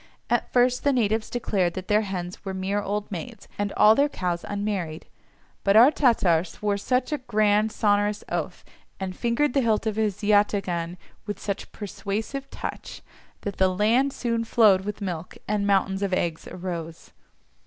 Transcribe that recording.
At first the natives declared that their hens were mere old maids and all their cows unmarried, but our Tatar swore such a grand sonorous oath, and fingered the hilt of his yataghan with such persuasive touch, that the land soon flowed with milk, and mountains of eggs arose.